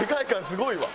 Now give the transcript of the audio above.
すごいわ。